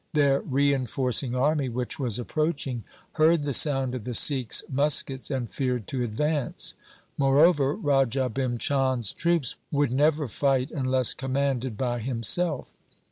Their reinforcing army, which was approach ing, heard the sound of the Sikhs' muskets and feared to advance. Moreover, Raja Bhim Chand's troops would never fight unless commanded by him self.